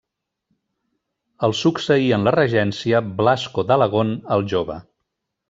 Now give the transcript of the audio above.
El succeí en la regència Blasco d'Alagón el Jove.